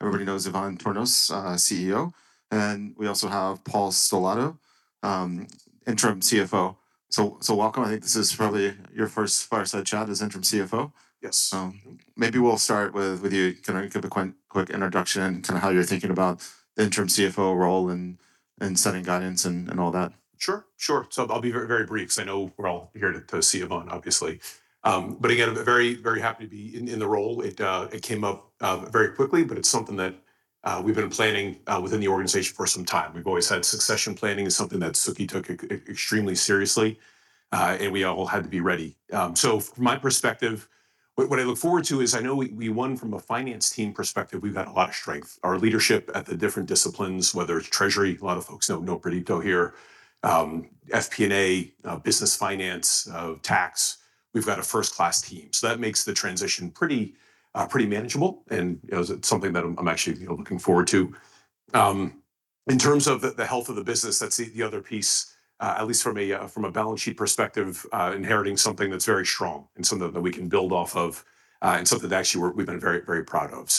Everybody knows Ivan Tornos, CEO, and we also have Paul Stellato, Interim CFO. Welcome. I think this is probably your first Fireside Chat as interim CFO. Yes. Maybe we'll start with you. Can you give a quick introduction, kind of how you're thinking about the Interim CFO role and setting guidance and all that? Sure, sure. I'll be very brief because I know we're all here to see Ivan, obviously. Again, very, very happy to be in the role. It came up very quickly, but it's something that we've been planning within the organization for some time. We've always had succession planning as something that Suky took extremely seriously, and we all had to be ready. From my perspective, what I look forward to is I know we won from a finance team perspective. We've had a lot of strength. Our leadership at the different disciplines, whether it's treasury, a lot of folks know Fred Ito here, FP&A, business finance, tax. We've got a first-class team, so that makes the transition pretty manageable, and, you know, something that I'm actually, you know, looking forward to. In terms of the health of the business, that's the other piece, at least from a, from a balance sheet perspective, inheriting something that's very strong and something that we can build off of, and something that actually we've been very, very proud of.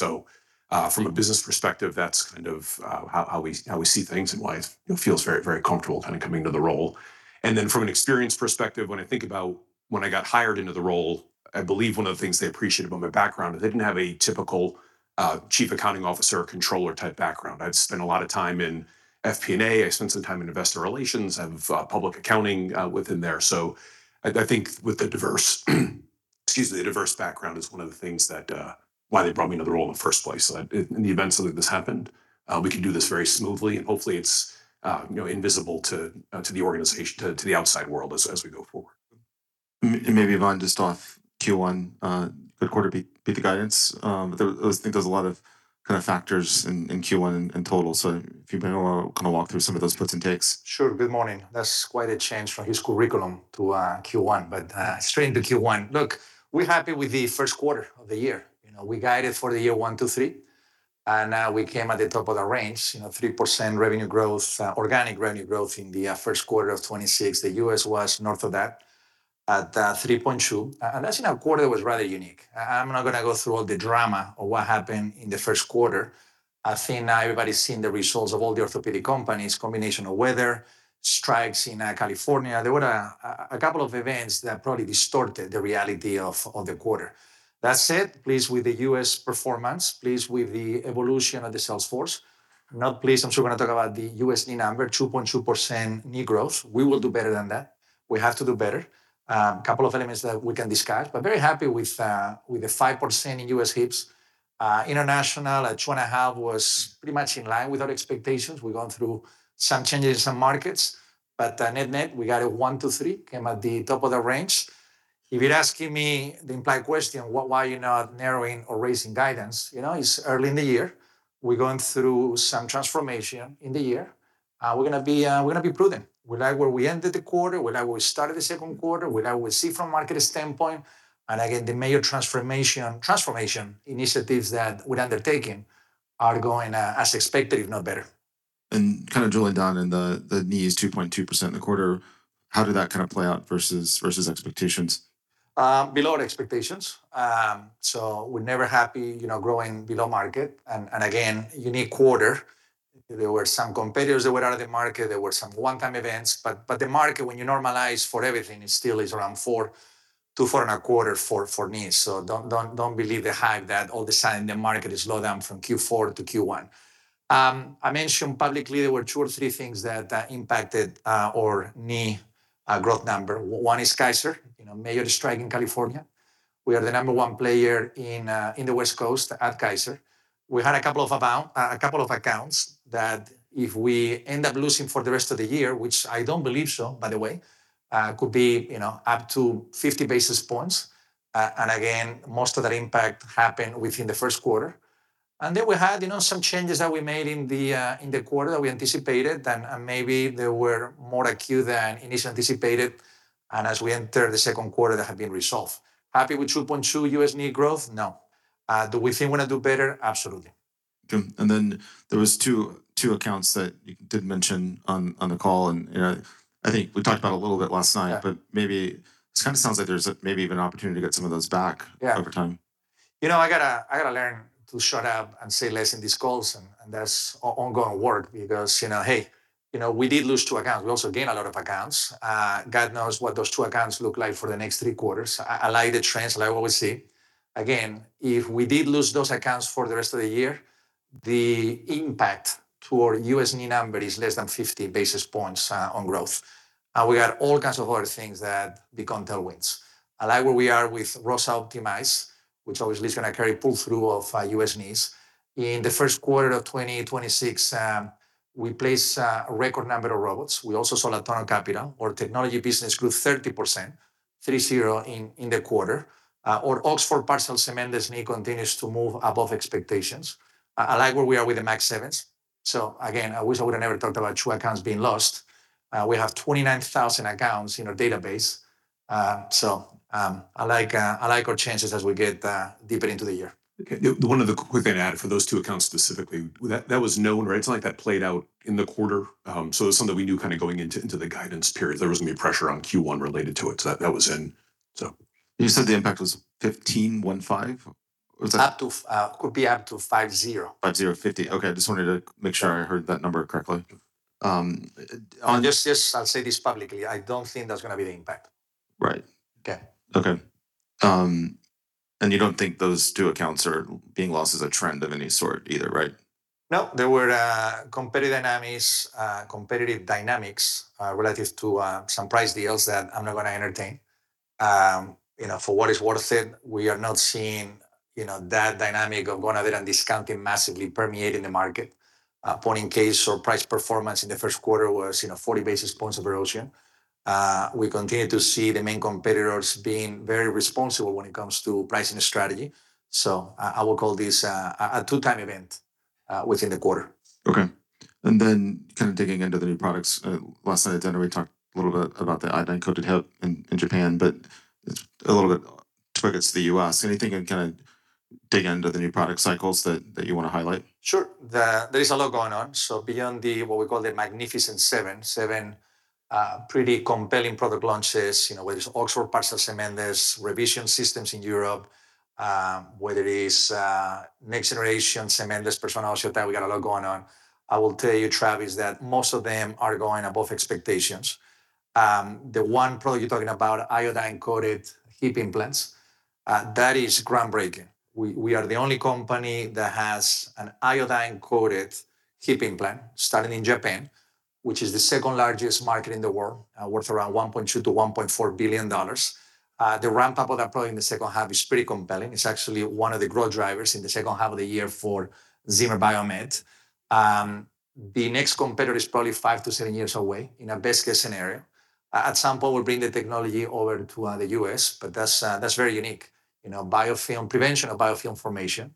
From a business perspective, that's kind of, how we, how we see things and why it feels very, very comfortable kind of coming to the role. From an experience perspective, when I think about when I got hired into the role, I believe one of the things they appreciated about my background is I didn't have a typical, Chief Accounting Officer or Controller-type background. I'd spent a lot of time in FP&A. I spent some time in investor relations. I have public accounting within there. I think with the diverse, excuse me, the diverse background is one of the things that why they brought me into the role in the first place. That in the event something like this happened, we could do this very smoothly, and hopefully it's, you know, invisible to the organization to the outside world as we go forward. Maybe, Ivan, just off Q1, good quarter. Beat the guidance. I think there's a lot of kind of factors in Q1 in total. If you maybe wanna kind of walk through some of those puts and takes. Sure. Good morning. That's quite a change from his curriculum to Q1. Straight into Q1. Look, we're happy with the first quarter of the year. You know, we guided for the year 1%-3%, we came at the top of the range. You know, 3% revenue growth, organic revenue growth in the first quarter of 2026. The U.S. was north of that at 3.2%. That's in a quarter that was rather unique. I'm not gonna go through all the drama of what happened in the first quarter. I think now everybody's seen the results of all the orthopedic companies, combination of weather, strikes in California. There were a couple of events that probably distorted the reality of the quarter. That said, pleased with the U.S. performance, pleased with the evolution of the sales force. Not pleased, I'm sure we're gonna talk about the U.S. knee number, 2.2% knee growth. We will do better than that. We have to do better. Couple of elements that we can discuss, but very happy with the 5% in U.S. hips. International at 2.5% was pretty much in line with our expectations. We're going through some changes in some markets, net-net, we got a 1%-3%, came at the top of the range. If you're asking me the implied question, why are you not narrowing or raising guidance? You know, it's early in the year. We're going through some transformation in the year. We're gonna be prudent. We like where we ended the quarter, we like where we started the second quarter, we like what we see from a market standpoint. Again, the major transformation initiatives that we're undertaking are going as expected, if not better. kind of drilling down in the knee's 2.2% in the quarter, how did that kind of play out versus expectations? Below our expectations. We're never happy, you know, growing below market, and again, unique quarter. There were some competitors that were out of the market. There were some one-time events, but the market, when you normalize for everything, it still is around 4%-4.25% for knees. Don't believe the hype that all of a sudden the market is low down from Q4 to Q1. I mentioned publicly there were two or three things that impacted our knee growth number. One is Kaiser, you know, major strike in California. We are the number one player in the West Coast at Kaiser. We had a couple of accounts that if we end up losing for the rest of the year, which I don't believe so, by the way, could be, you know, up to 50 basis points. Again, most of that impact happened within the first quarter. Then we had, you know, some changes that we made in the quarter that we anticipated, and maybe they were more acute than initially anticipated, as we enter the second quarter, they have been resolved. Happy with 2.2% U.S. knee growth? No. Do we think we're gonna do better? Absolutely. Then there was two accounts that you did mention on the call, and, you know, I think we talked about a little bit last night. Yeah Maybe this kind of sounds like there's maybe even an opportunity to get some of those. Yeah Over time. You know, I gotta learn to shut up and say less in these calls, and that's ongoing work because, you know, hey, you know, we did lose two accounts. We also gained a lot of accounts. God knows what those two accounts look like for the next three quarters. I like the trends, I like what we see. Again, if we did lose those accounts for the rest of the year, the impact to our U.S. knee number is less than 50 basis points on growth. We got all kinds of other things that become tailwinds. I like where we are with ROSA OptimiZe, which obviously is gonna carry pull-through of U.S. knees. In the first quarter of 2026, we placed a record number of robots. We also sold a ton of capital. Our technology business grew 30% in the quarter. Our Oxford Partial Cementless Knee continues to move above expectations. I like where we are with the Magnificent Seven. Again, I wish I would've never talked about two accounts being lost. We have 29,000 accounts in our database, I like our chances as we get deeper into the year. Okay. One other quick thing to add for those two accounts specifically. That was known, right? It's not like that played out in the quarter. It's something we knew kind of going into the guidance period. There wasn't going to be pressure on Q1 related to it because that was in- You said the impact was 15.15%? Could be up to 50. 50. Okay. I just wanted to make sure I heard that number correctly. Just I'll say this publicly, I don't think that's gonna be the impact. Right. Okay. Okay. You don't think those two accounts are being lost as a trend of any sort either, right? No. There were competitive dynamics relative to some price deals that I'm not going to entertain. You know, for what it's worth, we are not seeing, you know, that dynamic of going out there and discounting massively permeating the market. Point in case, our price performance in the first quarter was, you know, 40 basis points of erosion. We continue to see the main competitors being very responsible when it comes to pricing strategy. I would call this a two-time event within the quarter. Okay. Kind of digging into the new products. Last night at dinner, we talked a little bit about the iodine-coated hip in Japan, it's a little bit targets the U.S. Anything you can kind of dig into the new product cycles that you wanna highlight? Sure. There is a lot going on. Beyond the, what we call the Magnificent Seven, seven pretty compelling product launches, you know, whether it's Oxford Partial Cementless Knee, Persona Revision systems in Europe, whether it is next generation cement, there's personalized shot. We got a lot going on. I will tell you, Travis, that most of them are going above expectations. The one product you're talking about, iodine-coated hip implants, that is groundbreaking. We are the only company that has an iodine-coated hip implant starting in Japan, which is the second-largest market in the world, worth around $1.2 billion-$1.4 billion. The ramp-up of that product in the second half is pretty compelling. It's actually one of the growth drivers in the second half of the year for Zimmer Biomet. The next competitor is probably five to seven years away in a best-case scenario. At some point, we'll bring the technology over to the U.S., but that's very unique. You know, prevention of biofilm formation.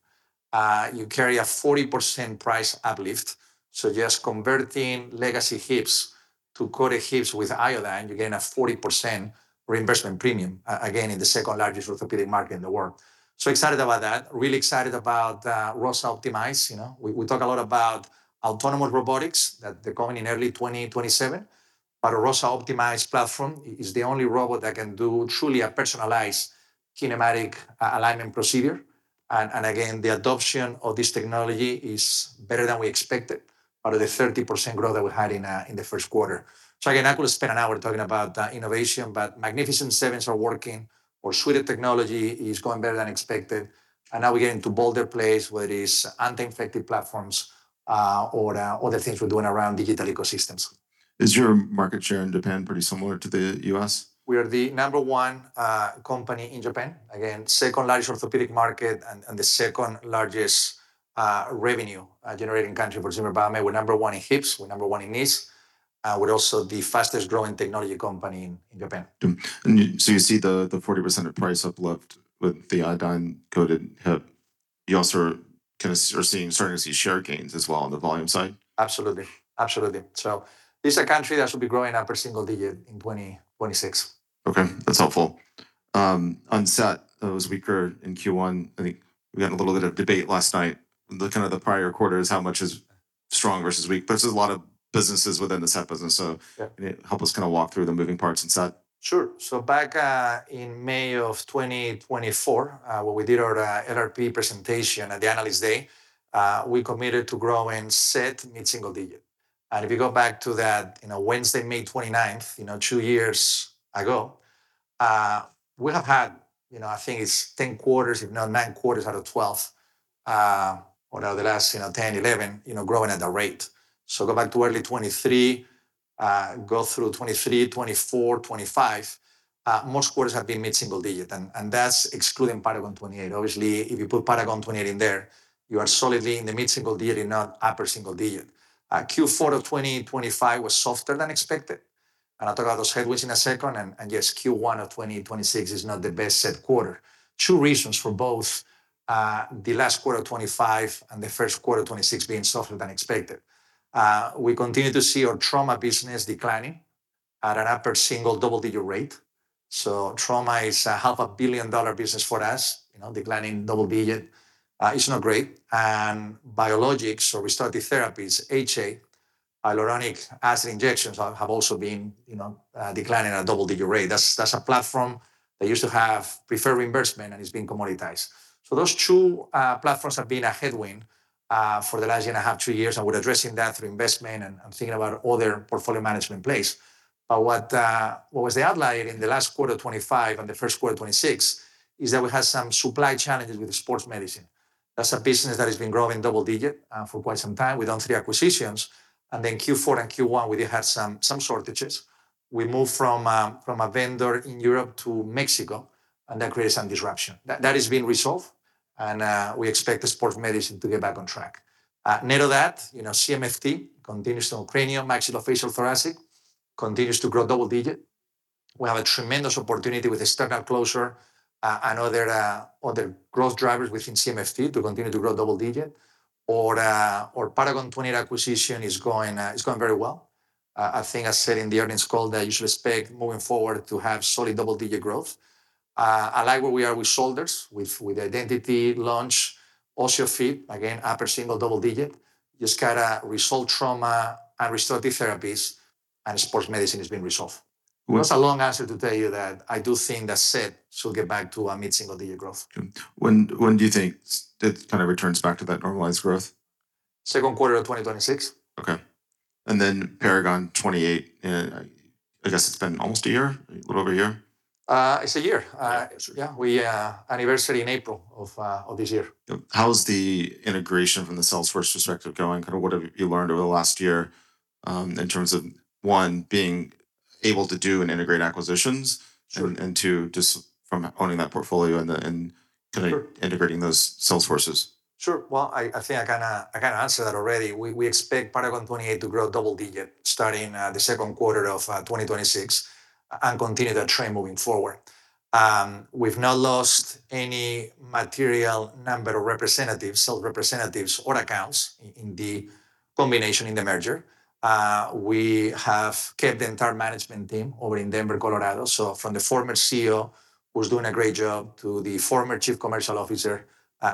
You carry a 40% price uplift. Just converting legacy hips to coated hips with iodine, you're getting a 40% reimbursement premium, again, in the second-largest orthopedic market in the world. Excited about that. Really excited about ROSA OptimiZe. You know, we talk a lot about autonomous robotics, that they're coming in early 2027. A ROSA OptimiZe platform is the only robot that can do truly a personalized kinematic alignment procedure. Again, the adoption of this technology is better than we expected. Part of the 30% growth that we had in the 1st quarter. Again, I could spend an hour talking about innovation, but Magnificent Sevens are working. Our suite of technology is going better than expected. Now we get into bolder place, whether it's infective platforms, or other things we're doing around digital ecosystems. Is your market share in Japan pretty similar to the U.S.? We are the number one company in Japan. Again, second-largest orthopedic market and the second-largest revenue generating country for Zimmer Biomet. We're number one in hips. We're number one in knees. We're also the fastest-growing technology company in Japan. So you see the 40% of price uplift with the iodine-coated hip. You also are starting to see share gains as well on the volume side? Absolutely. Absolutely. This is a country that should be growing upper single digit in 2026. Okay. That's helpful. On SET, it was weaker in Q1. I think we had a little bit of debate last night on the kind of the prior quarters, how much is strong versus weak. This is a lot of businesses within the SET business. Yeah Help us kinda walk through the moving parts in SET. Sure. Back in May of 2024, when we did our LRP presentation at the Analyst Day, we committed to growing SET mid-single digit. If you go back to that, you know, Wednesday, May 29th, you know, two years ago, we have had, you know, I think it's 10 quarters, if not nine quarters out of 12, or now the last, you know, 10, 11, you know, growing at a rate. Go back to early 2023, go through 2023, 2024, 2025, most quarters have been mid-single digit. That's excluding Paragon 28. Obviously, if you put Paragon 28 in there, you are solidly in the mid-single digit, if not upper single digit. Q4 of 2025 was softer than expected. I'll talk about those headwinds in a second. Yes, Q1 of 2026 is not the best SET quarter. Two reasons for both, the last quarter of 2025 and the first quarter of 2026 being softer than expected. We continue to see our trauma business declining at an upper single double-digit rate. Trauma is a half a billion-dollar business for us, you know, declining double digit, it's not great. Biologics or restorative therapies, HA, hyaluronic acid injections have also been, you know, declining at a double-digit rate. That's a platform that used to have preferred reimbursement and is being commoditized. Those two platforms have been a headwind for the last year and a half, two years, and we're addressing that through investment, and I'm thinking about other portfolio management in place. What, what was the outlier in the last quarter of 2025 and the first quarter of 2026 is that we had some supply challenges with sports medicine. That's a business that has been growing double-digit for quite some time with on three acquisitions. And then Q4 and Q1, we did have some shortages. We moved from a vendor in Europe to Mexico, and that created some disruption. That is being resolved, and we expect the sports medicine to get back on track. Net of that, you know, CMFT continues to cranium, maxillofacial, thoracic continues to grow double-digit. We have a tremendous opportunity with the Sternal Closure, and other growth drivers within CMFT to continue to grow double-digit. Paragon 28 acquisition is going very well. I think I said in the earnings call that you should expect moving forward to have solid double-digit growth. I like where we are with shoulders, with Identity launch. OsseoTi, again, upper single double-digit. Just gotta resolve trauma and restorative therapies, and sports medicine is being resolved. That's a long answer to tell you that I do think that SET should get back to a mid-single-digit growth. Okay. When do you think it kind of returns back to that normalized growth? Second quarter of 2026. Okay. Paragon 28, I guess it's been almost a year, a little over a year. it's a year. Yeah. Sure. Yeah, we, anniversary in April of this year. Yep. How's the integration from the Salesforce perspective going? Kinda what have you learned over the last year, in terms of, one, being able to do and integrate acquisitions. Sure Two, just from owning that portfolio and Sure integrating those sales forces. Sure. I think I answered that already. We expect Paragon 28 to grow double-digit, starting the second quarter of 2026, and continue that trend moving forward. We've not lost any material number of representatives, sales representatives or accounts in the combination in the merger. We have kept the entire management team over in Denver, Colorado. From the former CEO, who's doing a great job, to the former chief commercial officer,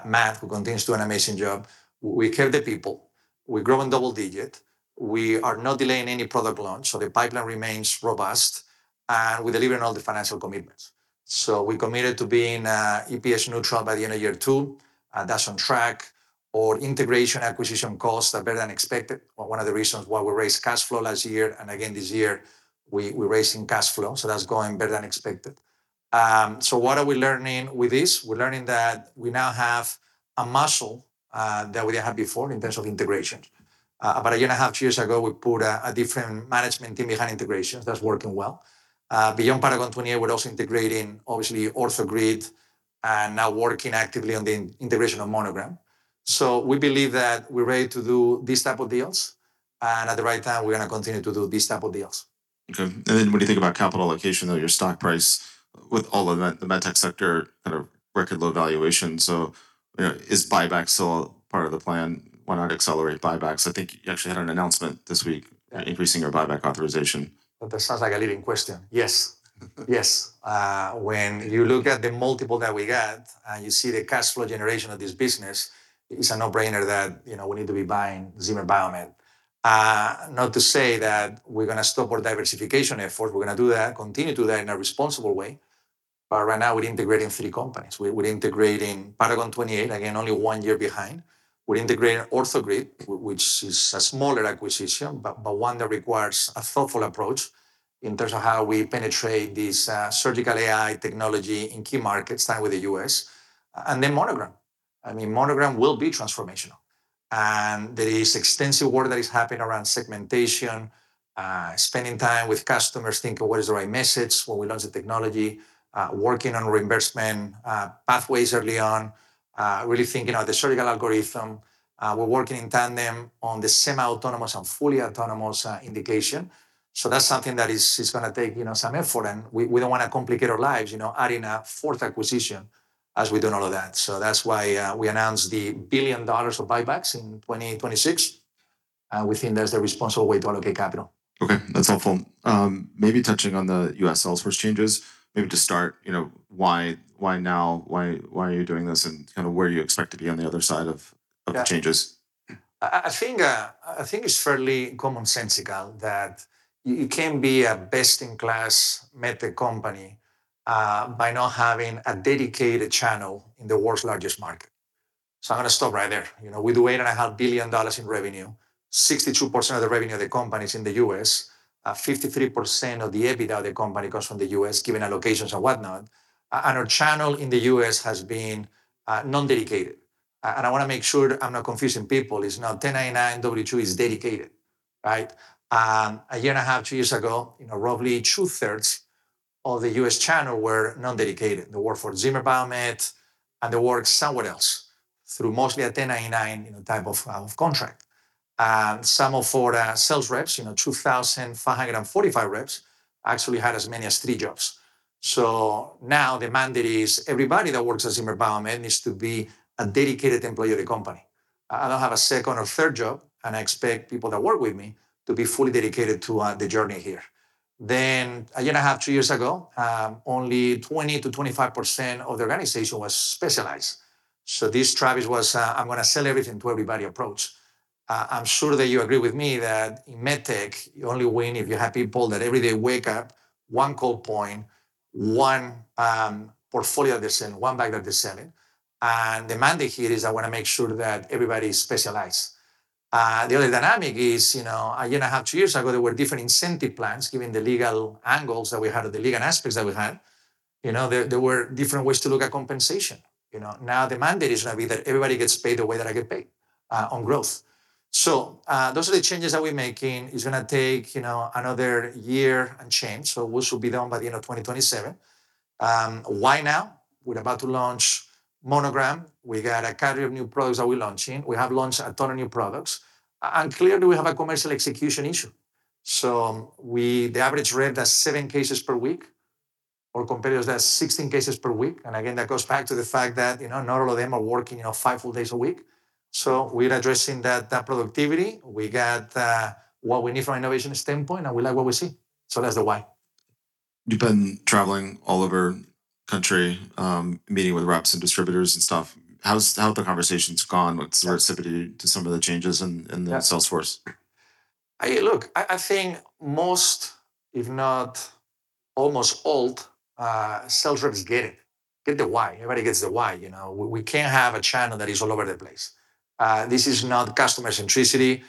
Matt, who continues to do an amazing job, we kept the people. We're growing double-digit. We are not delaying any product launch, so the pipeline remains robust, and we're delivering all the financial commitments. We committed to being EPS neutral by the end of year two. That's on track. Our integration acquisition costs are better than expected. One of the reasons why we raised cash flow last year, and again this year, we're raising cash flow, that's going better than expected. What are we learning with this? We're learning that we now have a muscle that we didn't have before in terms of integration. About 1.5, two years ago, we put a different management team behind integration. That's working well. Beyond Paragon 28, we're also integrating obviously OrthoGrid and now working actively on the integration of Monogram. We believe that we're ready to do these type of deals, and at the right time, we're gonna continue to do these type of deals. Okay. When you think about capital allocation, though, your stock price with all of med, the med tech sector at a record low valuation, you know, is buyback still part of the plan? Why not accelerate buybacks? I think you actually had an announcement this week, increasing your buyback authorization. That sounds like a leading question. Yes. Yes. When you look at the multiple that we got, you see the cash flow generation of this business, it's a no-brainer that, you know, we need to be buying Zimmer Biomet. Not to say that we're gonna stop our diversification effort. We're gonna do that, continue to do that in a responsible way. Right now we're integrating three companies. We're integrating Paragon 28, again, only one year behind. We're integrating OrthoGrid, which is a smaller acquisition, one that requires a thoughtful approach in terms of how we penetrate this surgical AI technology in key markets, starting with the U.S. Then Monogram. I mean, Monogram will be transformational, and there is extensive work that is happening around segmentation, spending time with customers, thinking what is the right message when we launch the technology, working on reimbursement, pathways early on, really thinking of the surgical algorithm. We're working in tandem on the semi-autonomous and fully autonomous indication. That's something that is gonna take, you know, some effort, and we don't wanna complicate our lives, you know, adding a fourth acquisition as we're doing all of that. That's why we announced the $1 billion of buybacks in 2026, and we think that's the responsible way to allocate capital. Okay. That's helpful. Maybe touching on the U.S. Salesforce changes, maybe to start, you know, why now? Why are you doing this, and kind of where you expect to be on the other side of the changes? Yeah. I think, I think it's fairly commonsensical that you can't be a best-in-class med tech company, by not having a dedicated channel in the world's largest market. I'm gonna stop right there. You know, with $8.5 billion in revenue, 62% of the revenue of the company's in the U.S. 53% of the EBITDA of the company comes from the U.S., given allocations and whatnot. And our channel in the U.S. has been non-dedicated. And I wanna make sure I'm not confusing people. It's now 1099 W-2 is dedicated, right? A year and a half, two years ago, you know, roughly two-thirds of the U.S. channel were non-dedicated. They worked for Zimmer Biomet, and they worked somewhere else, through mostly a 1099, you know, type of contract. Some of our sales reps, you know, 2,545 reps, actually had as many as three jobs. Now the mandate is everybody that works at Zimmer Biomet needs to be a dedicated employee of the company. I don't have a second or third job, and I expect people that work with me to be fully dedicated to the journey here. A year and a half, two years ago, only 20%-25% of the organization was specialized. This, Travis, was a, "I'm gonna sell everything to everybody," approach. I'm sure that you agree with me that in med tech, you only win if you have people that every day wake up one call point, one portfolio they're selling, one bag that they're selling, and the mandate here is I wanna make sure that everybody is specialized. The other dynamic is, you know, a year and a half, two years ago, there were different incentive plans, given the legal angles that we had or the legal aspects that we had. You know, there were different ways to look at compensation. You know, now the mandate is gonna be that everybody gets paid the way that I get paid on growth. Those are the changes that we're making. It's gonna take, you know, another year and change, so we should be done by the end of 2027. Why now? We're about to launch Monogram. We got a cadre of new products that we're launching. We have launched a ton of new products. And clearly we have a commercial execution issue. The average rep does seven cases per week. Our competitors does 16 cases per week. Again, that goes back to the fact that, you know, not all of them are working, you know, five full days a week. We're addressing that productivity. We got what we need from an innovation standpoint, and we like what we see. That's the why. You've been traveling all over country, meeting with reps and distributors and stuff. How have the conversations gone with? Yeah Receptivity to some of the changes the sales force? Look, I think most, if not almost all, sales reps get it. Get the why. Everybody gets the why, you know. We can't have a channel that is all over the place. This is not customer centricity,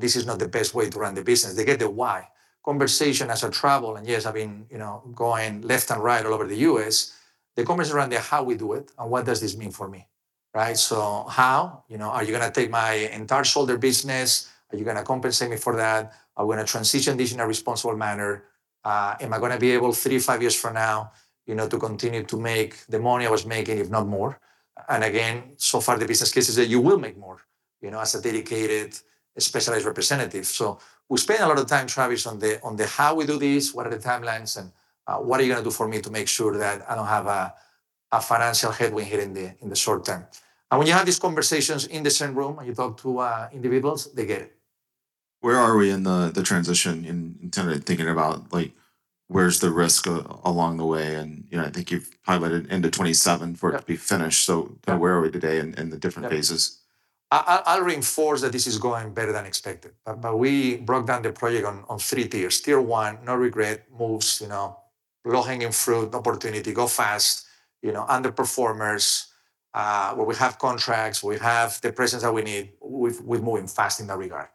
this is not the best way to run the business. They get the why. Conversation as I travel, yes, I've been, you know, going left and right all over the U.S., the conversation around the how we do it, what does this mean for me, right? How, you know, are you gonna take my entire shoulder business? Are you gonna compensate me for that? Are we gonna transition this in a responsible manner? Am I gonna be able three to five years from now, you know, to continue to make the money I was making, if not more? So far the business case is that you will make more, you know, as a dedicated specialized representative. We spend a lot of time, Travis, on the how we do this, what are the timelines, and what are you gonna do for me to make sure that I don't have a financial headwind hit in the short term. When you have these conversations in the same room, and you talk to individuals, they get it. Where are we in the transition in terms of thinking about, like, where's the risk along the way and, you know, I think you've highlighted into 2027 for it. Yeah to be finished. Yeah Where are we today in the different phases? I'll reinforce that this is going better than expected. We broke down the project on three tiers. Tier 1, no regret, moves, you know, low-hanging fruit, opportunity, go fast, you know, underperformers, where we have contracts, we have the presence that we need with moving fast in that regard.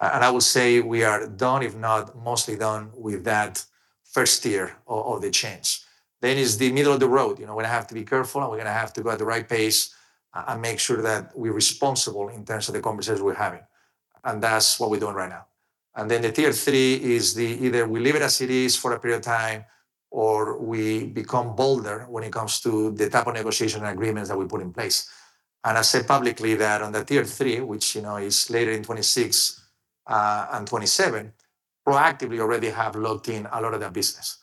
I would say we are done, if not mostly done with that first tier of the change. It's the middle of the road, you know. We're gonna have to be careful, and we're gonna have to go at the right pace and make sure that we're responsible in terms of the conversations we're having, and that's what we're doing right now. The tier 3 is the either we leave it as it is for a period of time, or we become bolder when it comes to the type of negotiation agreements that we put in place. I said publicly that on the tier 3, which, you know, is later in 2026 and 2027, proactively already have locked in a lot of that business.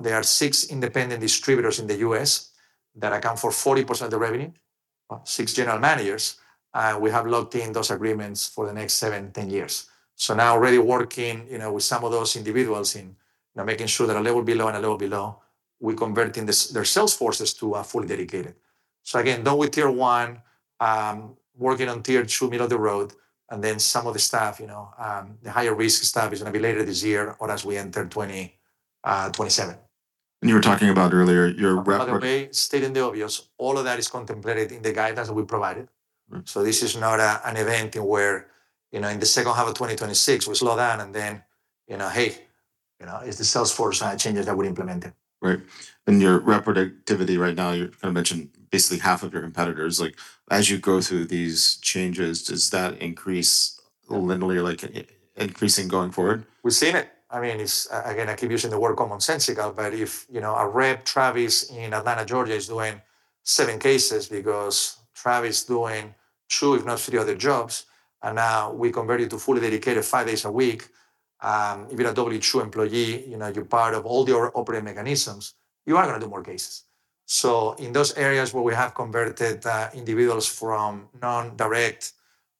There are six independent distributors in the U.S. that account for 40% of the revenue. Six general managers, we have locked in those agreements for the next seven, 10 years. Now already working, you know, with some of those individuals in, you know, making sure that a level below and a level below, we're converting their sales forces to fully dedicated. Again, done with tier 1, working on tier 2, middle of the road, and then some of the staff, you know, the higher risk staff is gonna be later this year or as we enter 2027. You were talking about earlier, your. By the way, stating the obvious, all of that is contemplated in the guidance that we provided. This is not an event in where, you know, in the second half of 2026, we slow down and then, you know, hey, you know, it's the sales force, changes that we're implementing. Right. Your rep productivity right now, you kind of mentioned basically half of your competitors. As you go through these changes, does that increase linearly, increasing going forward? We've seen it. I mean, it's again, I keep using the word commonsensical, but if, you know, a rep, Travis, in Atlanta, Georgia, is doing seven cases because Travis doing two, if not three other jobs, and now we convert it to fully dedicated five days a week, if you're a W-2 employee, you know, you're part of all the operating mechanisms, you are gonna do more cases. In those areas where we have converted individuals from non-direct,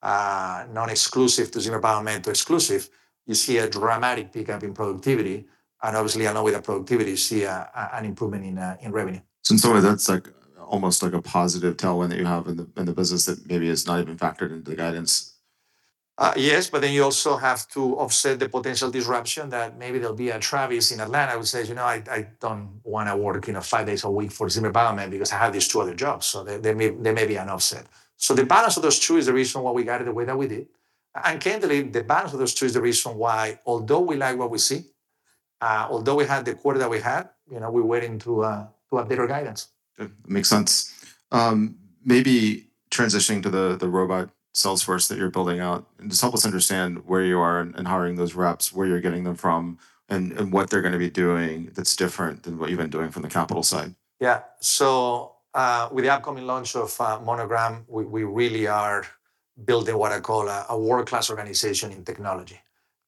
non-exclusive to Zimmer Biomet to exclusive, you see a dramatic pickup in productivity, and obviously along with the productivity, you see an improvement in revenue. In some way, that's almost a positive tailwind that you have in the business that maybe is not even factored into the guidance. Yes, you also have to offset the potential disruption that maybe there'll be a Travis in Atlanta who says, "You know, I don't wanna work, you know, five days a week for Zimmer Biomet because I have these two other jobs." There may be an offset. Candidly, the balance of those two is the reason why we guided the way that we did. Candidly, the balance of those two is the reason why, although we like what we see, although we had the quarter that we had, you know, we're waiting to have better guidance. Yeah. Makes sense. Maybe transitioning to the robot sales force that you're building out, just help us understand where you are in hiring those reps, where you're getting them from, and what they're gonna be doing that's different than what you've been doing from the capital side? Yeah. With the upcoming launch of Monogram, we really are building what I call a world-class organization in technology.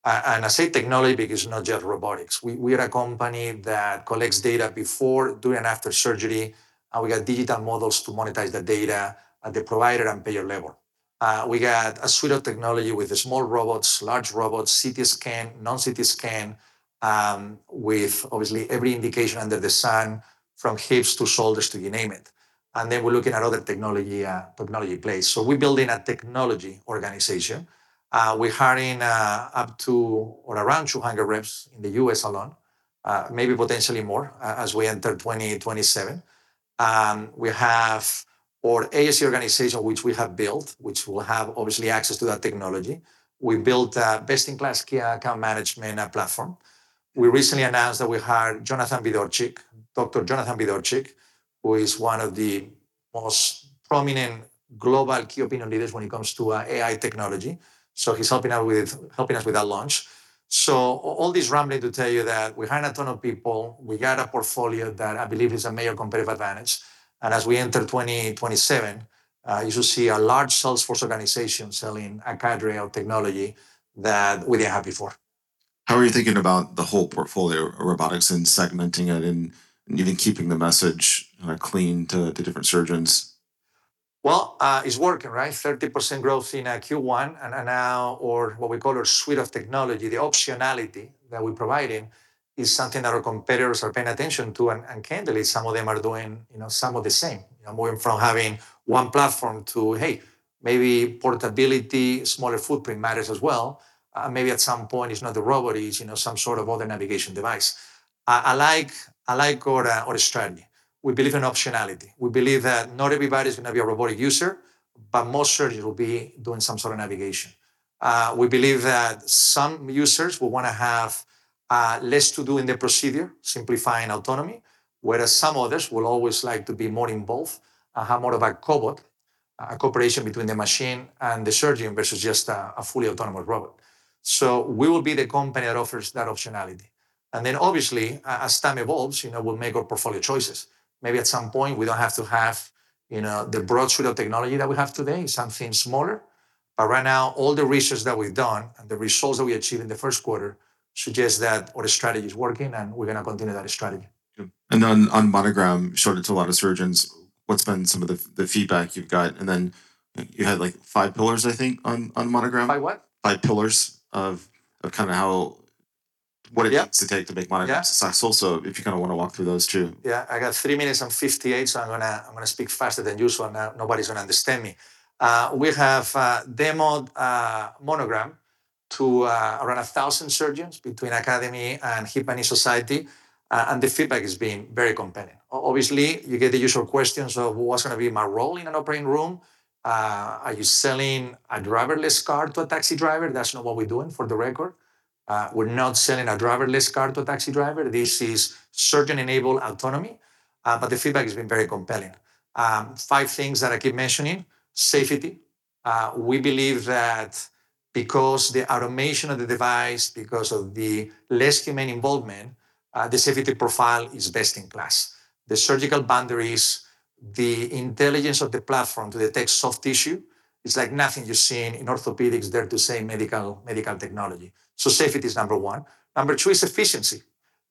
I say technology because it's not just robotics. We, we are a company that collects data before, during, and after surgery, and we got digital models to monetize the data at the provider and payer level. We got a suite of technology with the small robots, large robots, CT scan, non-CT scan, with obviously every indication under the sun, from hips to shoulders to you name it. We're looking at other technology plays. We're building a technology organization. We're hiring up to or around 200 reps in the U.S. alone, maybe potentially more as we enter 2027. We have our ASC organization, which we have built, which will have obviously access to that technology. We built a best-in-class key account management platform. We recently announced that we hired Jonathan M. Vigdorchik, Dr. Jonathan M. Vigdorchik, who is one of the most prominent global key opinion leaders when it comes to AI technology. He's helping us with our launch. All this rambling to tell you that we hired a ton of people. We got a portfolio that I believe is a major competitive advantage. As we enter 2027, you should see a large sales force organization selling a cadre of technology that we didn't have before. How are you thinking about the whole portfolio of robotics and segmenting it and even keeping the message clean to different surgeons? Well, it's working, right? 30% growth in Q1 or what we call our suite of technology, the optionality that we're providing is something that our competitors are paying attention to. Candidly, some of them are doing, you know, some of the same. You know, moving from having one platform to, hey, maybe portability, smaller footprint matters as well. Maybe at some point it's not the robot, it's, you know, some sort of other navigation device. I like our strategy. We believe in optionality. We believe that not everybody's gonna be a robotic user, but most surgeons will be doing some sort of navigation. We believe that some users will wanna have less to do in the procedure, simplifying autonomy, whereas some others will always like to be more involved, have more of a cobot, a cooperation between the machine and the surgeon versus just a fully autonomous robot. We will be the company that offers that optionality. Then obviously, as time evolves, you know, we'll make our portfolio choices. Maybe at some point we don't have to have, you know, the broad suite of technology that we have today, something smaller. Right now all the research that we've done and the results that we achieved in the first quarter suggests that our strategy is working and we're gonna continue that strategy. Yeah. On Monogram, you showed it to a lot of surgeons. What's been some of the feedback you've got? Then you had like five pillars I think on Monogram. Five what? Five pillars of kinda. Yeah What it takes to make Monogram. Yeah successful. If you kinda wanna walk through those too? Yeah, I got three minutes and 58 seconds, I'm gonna speak faster than usual now. Nobody's gonna understand me. We have demoed Monogram to around 1,000 surgeons between academy and hip and knee society. The feedback has been very compelling. Obviously you get the usual questions of what's gonna be my role in an operating room. Are you selling a driverless car to a taxi driver? That's not what we're doing for the record. We're not selling a driverless car to a taxi driver. This is surgeon-enabled autonomy. The feedback has been very compelling. Five things that I keep mentioning. Safety. We believe that because the automation of the device, because of the less human involvement, the safety profile is best in class. The surgical boundaries, the intelligence of the platform to detect soft tissue is like nothing you've seen in orthopedics, dare to say medical technology. Safety is number one. Number two is efficiency.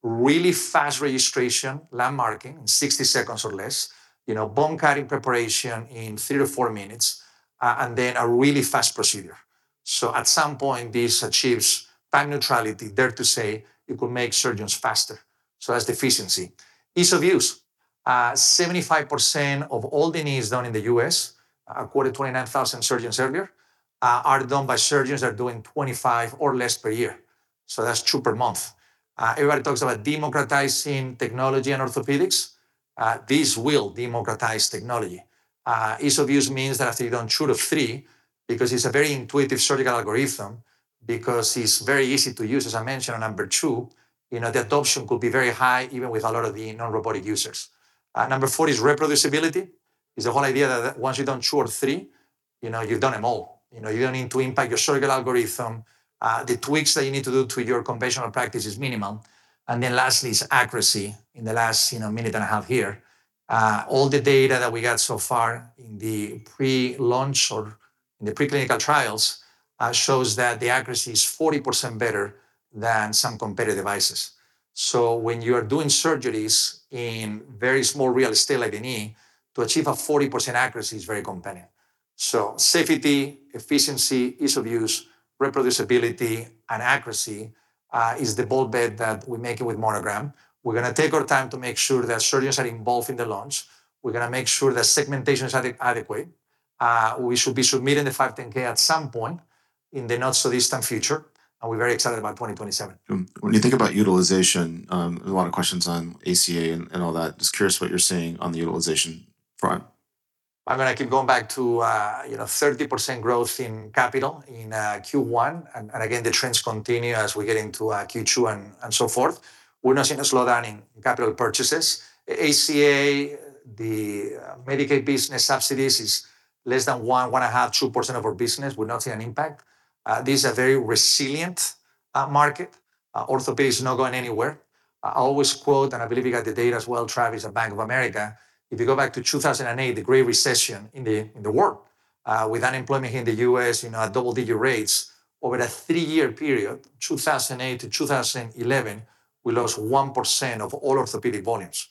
Really fast registration, landmarking in 60 seconds or less. You know, bone cutting preparation in three to four minutes. A really fast procedure. At some point this achieves time neutrality, dare to say it could make surgeons faster. That's the efficiency. Ease of use. 75% of all the knees done in the U.S., quoted 29,000 surgeons earlier, are done by surgeons that are doing 25 or less per year. That's two per month. Everybody talks about democratizing technology and orthopedics. This will democratize technology. Ease of use means that after you've done two out of three, because it's a very intuitive surgical algorithm, because it's very easy to use, as I mentioned on number two, you know, the adoption could be very high even with a lot of the non-robotic users. Number four is reproducibility. Is the whole idea that once you've done two out of three, you know, you've done them all. You know, you don't need to impact your surgical algorithm. The tweaks that you need to do to your conventional practice is minimal. Lastly is accuracy in the last, you know, minute and a half here. All the data that we got so far in the pre-launch or in the preclinical trials shows that the accuracy is 40% better than some competitor devices. When you are doing surgeries in very small real estate like the knee, to achieve a 40% accuracy is very compelling. Safety, efficiency, ease of use, reproducibility and accuracy is the bold bet that we're making with Monogram. We're gonna take our time to make sure that surgeons are involved in the launch. We're gonna make sure that segmentation is adequate. We should be submitting the 510(k) at some point in the not so distant future, and we're very excited about 2027. When you think about utilization, there's a lot of questions on ACA and all that. Just curious what you're seeing on the utilization front. I'm gonna keep going back to, you know, 30% growth in capital in Q1. Again, the trends continue as we get into Q2 and so forth. We're not seeing a slowdown in capital purchases. ACA, the Medicaid business subsidies is less than 1%, 1.5%, 2% of our business. We're not seeing an impact. This is a very resilient market. Orthopedic is not going anywhere. I always quote, and I believe you got the data as well, Travis, at Bank of America. If you go back to 2008, the great recession in the world, with unemployment here in the U.S. in double-digit rates, over a three-year period, 2008 to 2011, we lost 1% of all orthopedic volumes.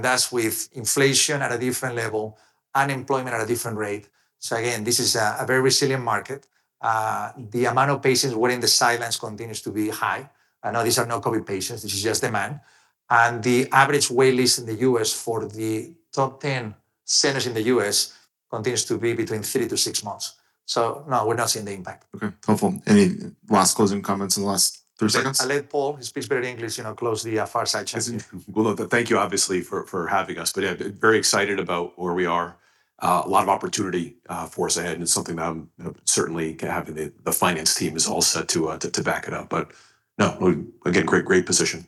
That's with inflation at a different level, unemployment at a different rate. Again, this is a very resilient market. The amount of patients waiting the sidelines continues to be high. I know these are not COVID patients, this is just demand. The average wait list in the U.S. for the top 10 centers in the U.S. continues to be between three to six months. No, we're not seeing the impact. Okay. Cool. Any last closing comments in the last three seconds? I'll let Paul, he speaks better English, you know, close the fireside chat. Guillermo, thank you obviously for having us. Yeah, very excited about where we are. A lot of opportunity for us ahead, and it's something that I'm certainly gonna have the finance team is all set to back it up. No, again, great position.